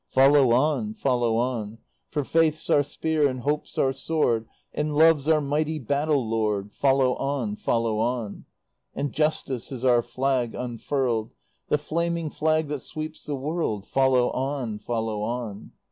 Follow on! Follow on! For Faith's our spear and Hope's our sword, And Love's our mighty battle lord. Follow on! Follow on! And Justice is our flag unfurled, The flaming flag that sweeps the world. Follow on! Follow on!